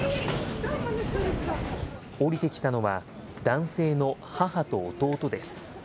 降りてきたのは、男性の母と弟です。